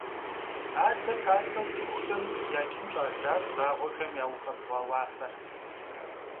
Адэ пасэу цӏыхухэм яджын щӏадзащ вагъуэхэм яуфэбгъуа уафэр.